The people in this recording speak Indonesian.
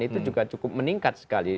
itu juga cukup meningkat sekali